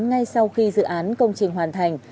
ngay sau khi dự án công trình hoàn thành